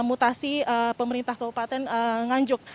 yang menyebabkan keguguran dan keguguran dari pemerintah kabupaten nganjuk